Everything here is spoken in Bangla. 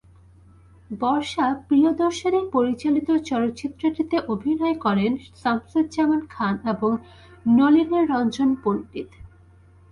বর্ষা প্রিয়দর্শিনী পরিচালিত চলচ্চিত্রটিতে অভিনয় করেন শামসুজ্জামান খান এবং নলিনীরঞ্জন পণ্ডিত।